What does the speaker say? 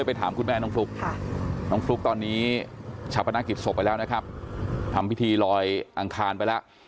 พนักกิจศพไปแล้วนะครับทำพิธีลอยอังคารไปแล้ว